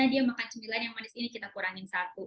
dia makan cemilan yang manis ini kita kurangin satu